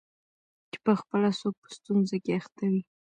چي پخپله څوک په ستونزه کي اخته وي